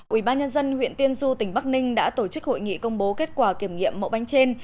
ubnd huyện tiên du tỉnh bắc ninh đã tổ chức hội nghị công bố kết quả kiểm nghiệm mẫu bánh trên